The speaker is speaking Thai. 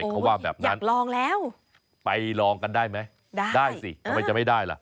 เขาว่าแบบนั้นอยากลองแล้วไปลองกันได้ไหมได้ได้สิทำไมจะไม่ได้ล่ะ